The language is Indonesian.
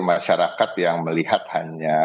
masyarakat yang melihat hanya